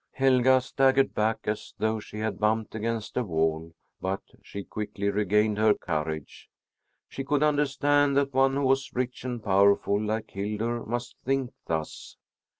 Helga staggered back, as though she had bumped against a wall, but she quickly regained her courage. She could understand that one who was rich and powerful, like Hildur, must think thus.